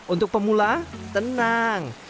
untuk pemula tenang